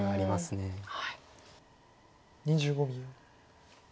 ２５秒。